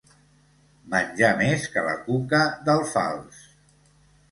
Menjar més que la cuca d'alfals.